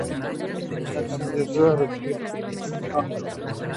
La candidatura recibió apoyo del gobierno nacional.